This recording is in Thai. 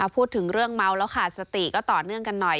พูดถึงเรื่องเมาแล้วขาดสติก็ต่อเนื่องกันหน่อย